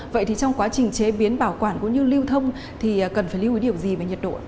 vậy thì trong quá trình chế biến bảo quản cũng như lưu thông thì cần phải lưu ý điều gì về nhiệt độ